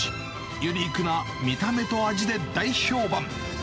ユニークな見た目と味で大評判。